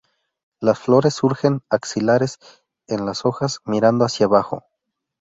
Las flores surgen axilares en las hojas mirando hacia abajo.